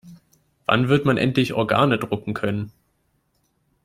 Wann wird man endlich Organe drucken können?